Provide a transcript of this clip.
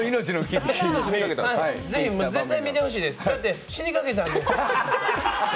絶対見てほしいです、だって死にかけたので。